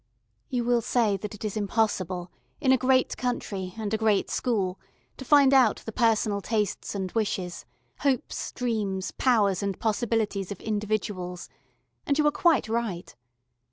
You will say that it is impossible, in a great country and a great school, to find out the personal tastes and wishes, hopes, dreams, powers, and possibilities of individuals, and you are quite right.